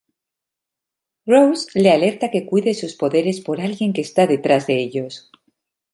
Rose le alerta que cuide sus poderes por que alguien está detrás de ellos.